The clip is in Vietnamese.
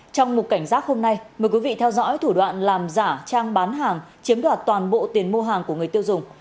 trong một cảnh giác hôm nay mời quý vị theo dõi thủ đoạn làm giả trang bán hàng chiếm đoạt toàn bộ tiền mua hàng của người tiêu dùng